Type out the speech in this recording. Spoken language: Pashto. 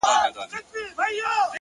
د سهار لومړۍ درز رڼا کوټه بدلوي.!